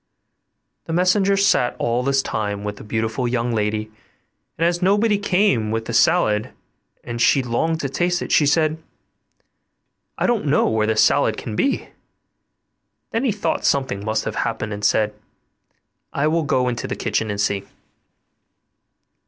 The messenger sat all this time with the beautiful young lady, and as nobody came with the salad and she longed to taste it, she said, 'I don't know where the salad can be.' Then he thought something must have happened, and said, 'I will go into the kitchen and see.